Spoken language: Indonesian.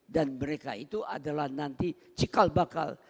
dan mereka itu adalah nanti cikal bakal